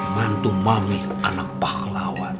mantu mami anak pahlawan